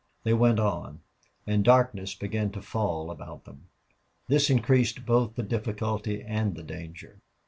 They went on, and darkness began to fall about them. This increased both the difficulty and the danger.